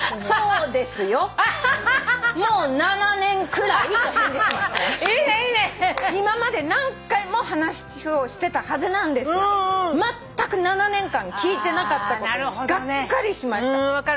「『そうですよもう７年くらい』と返事しましたが今まで何回も話をしてたはずなんですがまったく７年間聞いてなかったことにがっかりしました。